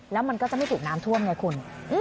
แล้วมันก็จะไม่ถูกน้ำท่วมไงคุณ